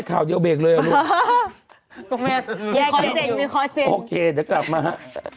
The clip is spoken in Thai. โอเคเดี๋ยวกลับมาฮะโอเคเดี๋ยวกลับมาฮะ